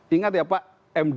ingat ya pak md